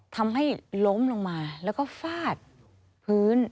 ทำให้ล้มลงมาแล้วก็ฟาดพื้น